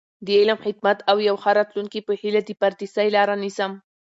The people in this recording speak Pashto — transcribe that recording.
د علم، خدمت او یو ښه راتلونکي په هیله، د پردیسۍ لاره نیسم.